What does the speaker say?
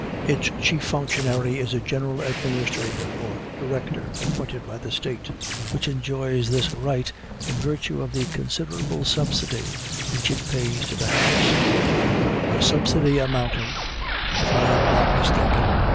Its chief functionary is a general administrator, or director, appointed by the State, which enjoys this right in virtue of the considerable subsidy which it pays to the house; a subsidy amounting, if I am not mistaken (M.